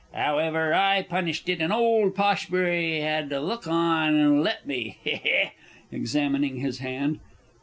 However, I punished it, and old Poshbury had to look on and let me. He he! (_Examining his hand.